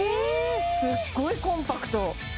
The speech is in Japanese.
すっごいコンパクトえ！？